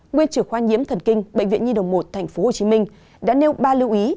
nguyên trưởng khoa nhiễm thần kinh bệnh viện nhi đồng một tp hcm đã nêu ba lưu ý